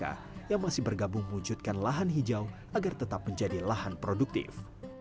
dan juga mereka yang masih bergabung wujudkan lahan hijau agar tetap menjadi lahan produktif